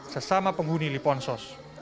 sesama penghuni liponsos